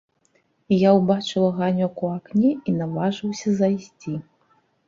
Я ўбачыў аганёк у акне і наважыўся зайсці.